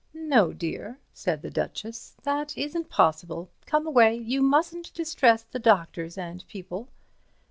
"No, dear," said the Duchess. "That isn't possible. Come away—you mustn't distress the doctors and people."